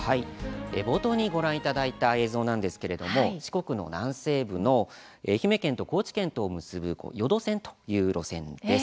冒頭にご覧いただいた映像なんですけれども四国の南西部の愛媛県と高知県を結ぶ予土線というものです。